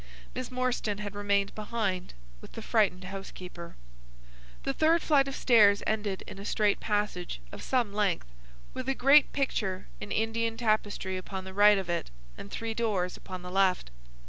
Miss Morstan had remained behind with the frightened housekeeper. The third flight of stairs ended in a straight passage of some length, with a great picture in Indian tapestry upon the right of it and three doors upon the left.